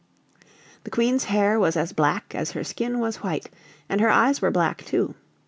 The Queen's hair was as black as her skin was white and her eyes were black, too.